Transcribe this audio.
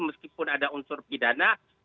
meskipun ada unsur pidana